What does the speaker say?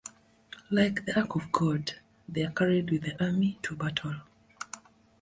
Like the ark of God, they are carried with the army to battle.